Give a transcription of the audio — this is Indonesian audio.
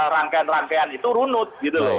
rangkaian rangkaian itu runut gitu loh